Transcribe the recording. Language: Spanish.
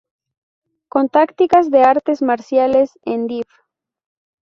Con tácticas de artes marciales, en dif.